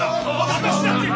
私だって！